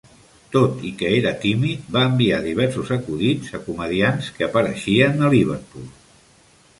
Tot i que era tímid, va enviar diversos acudits a comediants que apareixien a Liverpool.